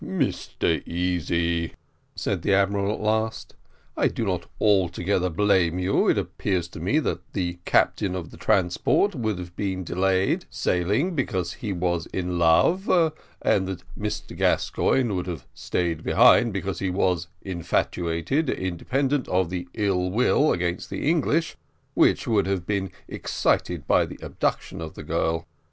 "Mr Easy," said the admiral at last, "I do not altogether blame you; it appears that the captain of the transport would have delayed sailing because he was in love and that Mr Gascoigne would have stayed behind because he was infatuated; independent of the ill will against the English which would have been excited by the abduction of the girl.